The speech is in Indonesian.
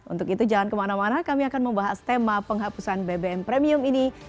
untuk itu jangan kemana mana kami akan membahas tema penghapusan bbm premium ini